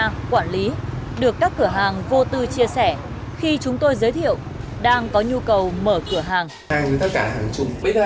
đa quản lý được các cửa hàng vô tư chia sẻ khi chúng tôi giới thiệu đang có nhu cầu mở cửa hàng